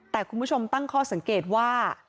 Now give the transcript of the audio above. แต่คุณผู้ชมตั้งข้อสังเกตว่า